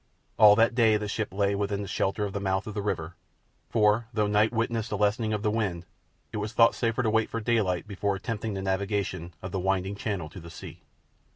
All that day the ship lay within the shelter of the mouth of the river; for, though night witnessed a lessening of the wind, it was thought safer to wait for daylight before attempting the navigation of the winding channel to the sea.